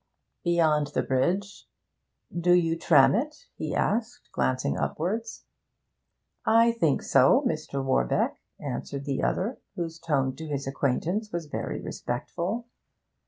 Beyond the bridge 'Do you tram it?' he asked, glancing upwards. 'I think so, Mr. Warbeck,' answered the other, whose tone to his acquaintance was very respectful.